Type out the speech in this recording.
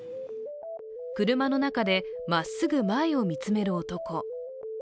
車の中でまっすぐ前を見つめる男。